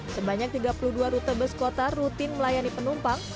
sebanyak tiga puluh dua rute bus kota rutin melayani penumpang